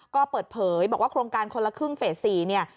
ก็เปิดเผยบอกว่าโครงการคนละครึ่งเฟส๔เนี่ย